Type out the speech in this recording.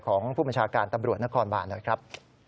ของผู้บัญชาการตำรวจนครบานหน่อยครับ